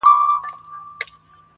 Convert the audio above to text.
• څارنوال او د قاضي که د بابا ده,